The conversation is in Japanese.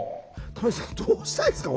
玉木さんどうしたらいいですか？